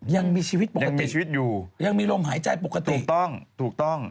ยังมีชีวิตปกติชีวิตอยู่ยังมีลมหายใจปกติถูกต้องถูกต้อง